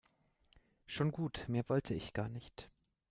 Schon gut, mehr wollte ich gar nicht.